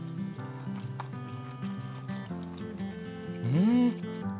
うん！